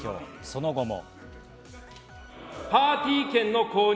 その後も。